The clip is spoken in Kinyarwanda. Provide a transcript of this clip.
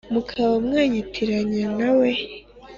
mukaba mwanyitiranya na we ?